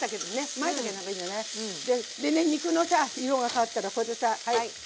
でね肉のさ色が変わったらこれでさはい。